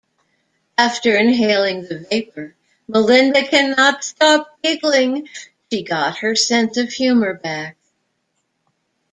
After inhaling the vapor, Melinda cannot stop giggling-she got her sense of humor back.